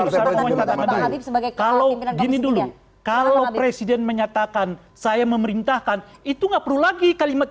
sebagai kalau gini dulu kalau presiden menyatakan saya memerintahkan itu nggak perlu lagi kalimat